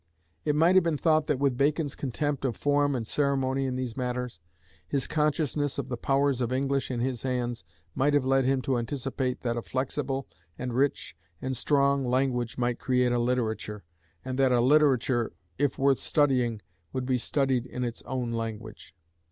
It might have been thought that with Bacon's contempt of form and ceremony in these matters, his consciousness of the powers of English in his hands might have led him to anticipate that a flexible and rich and strong language might create a literature, and that a literature, if worth studying, would be studied in its own language.